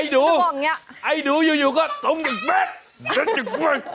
อยู่ไอ้ดูอยู่ก็ทรงอย่างแบบ